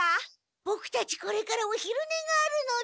ボクたちこれからおひるねがあるので。